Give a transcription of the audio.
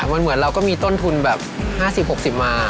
มันเหมือนเราก็มีต้นทุนแบบ๕๐๖๐มา